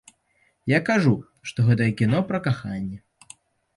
Я кажу, што гэтае кіно пра каханне.